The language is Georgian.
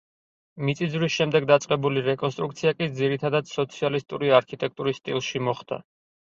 მიწისძვრის შემდეგ დაწყებული რეკონსტრუქცია კი ძირითადად სოციალისტური არქიტექტურის სტილში მოხდა.